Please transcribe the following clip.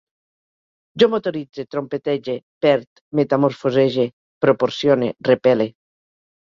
Jo motoritze, trompetege, perd, metamorfosege, proporcione, repele